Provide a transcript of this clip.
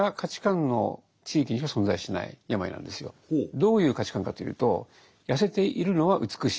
どういう価値観かというとほう。